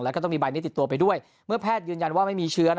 แล้วก็ต้องมีใบนี้ติดตัวไปด้วยเมื่อแพทย์ยืนยันว่าไม่มีเชื้อ